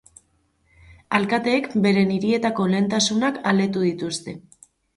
Alkateek beren hirietako lehentasunak aletu dituzte.